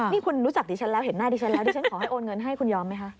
นี่คุณรู้จักดิฉันแล้วเห็นหน้าดิฉันแล้วดิฉันขอให้โอนเงินให้คุณยอมไหมคะ